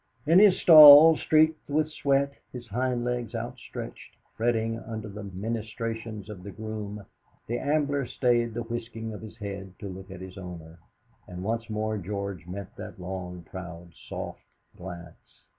In his stall, streaked with sweat, his hind legs outstretched, fretting under the ministrations of the groom, the Ambler stayed the whisking of his head to look at his owner, and once more George met that long, proud, soft glance.